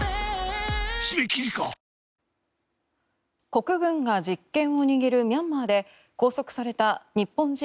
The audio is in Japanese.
国軍が実権を握るミャンマーで拘束された日本人